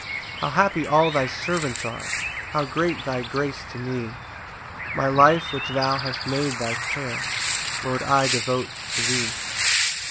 4 How happy all thy servants are! How great thy grace to me! My life which thou hast made thy care, Lord, I devote to thee.